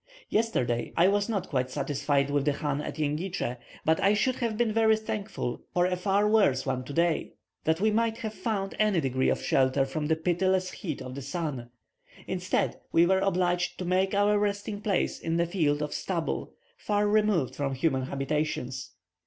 Yesterday I was not quite satisfied with the chan at Jengitsche; but I should have been very thankful for a far worse one today, that we might have found any degree of shelter from the pitiless heat of the sun; instead, we were obliged to make our resting place in a field of stubble, far removed from human habitations.